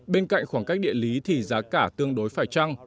bên cạnh khoảng cách địa lý thì giá cả tương đối phải trăng